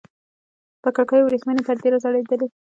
پر کړکيو ورېښمينې پردې راځړېدلې.